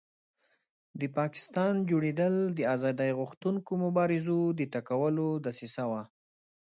د پاکستان جوړېدل د آزادۍ غوښتونکو مبارزو د ټکولو دسیسه وه.